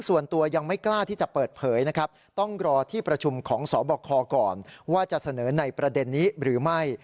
ว่าจะเสนอในประเด็นนี้หรือไม่